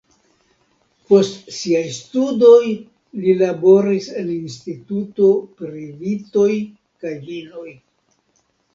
Post siaj studoj li laboris en instituto pri vitoj kaj vinoj.